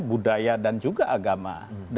budaya dan juga agama